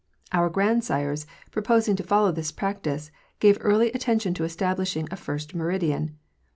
Our grandsires, proposing to follow this practice, gave early attention to establishing a first meridian.